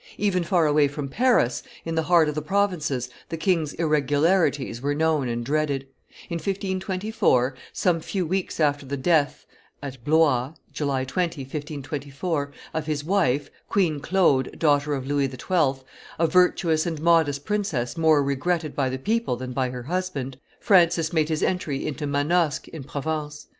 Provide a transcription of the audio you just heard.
Even far away from Paris, in the heart of the provinces, the king's irregularities were known and dreaded. In 1524, some few weeks after the death [at Blois, July 20, 1524] of his wife, Queen Claude, daughter of Louis XII., a virtuous and modest princess more regretted by the people than by her husband, Francis made his entry into Manosque, in Provence.